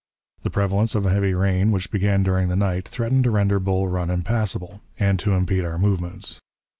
The prevalence of a heavy rain, which began during the night, threatened to render Bull Bun impassable, and to impede our movements.